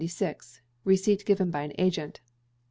Receipt Given by an Agent.